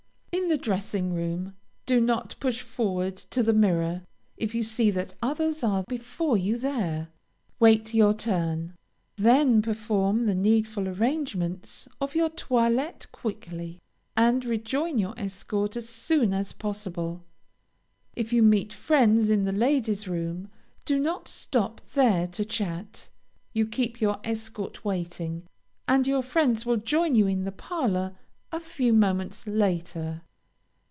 In the dressing room, do not push forward to the mirror if you see that others are before you there. Wait for your turn, then perform the needful arrangements of your toilette quickly, and re join your escort as soon as possible. If you meet friends in the lady's room, do not stop there to chat; you keep your escort waiting, and your friends will join you in the parlor a few moments later.